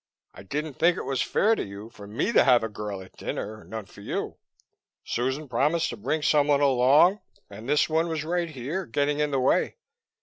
"I didn't think it was fair to you for me to have a girl at dinner and none for you; Susan promised to bring someone along, and this one was right here, getting in the way.